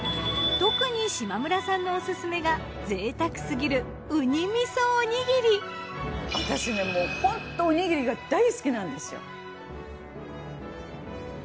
特に島村さんのオススメが贅沢すぎる私ねもうホントおにぎりが大好きなんですよ。